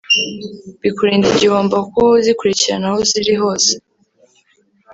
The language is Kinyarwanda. bikurinda igihombo kuko uba uzikurikirana aho ziri hose